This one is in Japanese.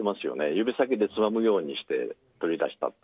指先でつまむようにして取り出したと。